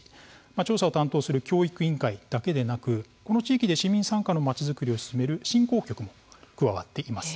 調査を担当する教育委員会だけではなくこの地域で住民参加のまちづくりを進める振興局も加わっているんです。